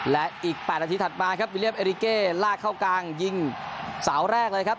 และอีก๘นาทีถัดมาครับวิเลียบเอริเกลากเข้ากลางยิงเสาแรกเลยครับ